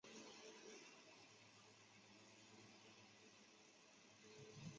岛屿位于大屿山大澳之西北部。